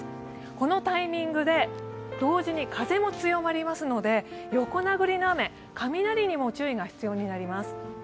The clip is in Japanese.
このタイミングで同時に風も強まりますので、横殴りの雨、雷にも注意が必要になります。